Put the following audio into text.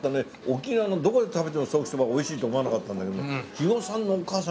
沖縄のどこで食べてもソーキそばおいしいと思わなかったんだけどねえっ